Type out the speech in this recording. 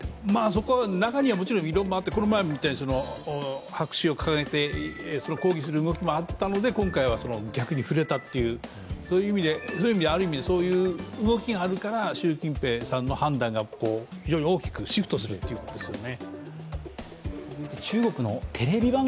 中にはもちろん異論もあってこの前みたいに白紙を掲げて抗議する動きもあったので、今回は逆に振れたという、ある意味そういう動きがあるから習近平さんの判断が非常に大きくシフトするということですよね。